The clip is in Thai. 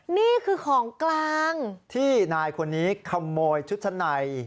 นี่คือของกลางที่นายคนนี้ขโมยชุดชั้นใน